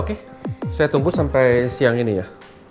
oke saya tunggu sampai siang ini ya